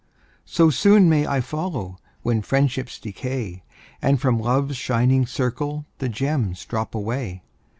So soon may I follow, When friendships decay, And from Love's shining circle The gems drop away.